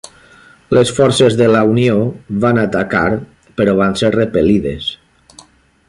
Les forces de la Unió van atacar però van ser repel·lides.